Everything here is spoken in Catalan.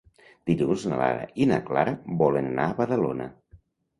Dilluns na Lara i na Clara volen anar a Badalona.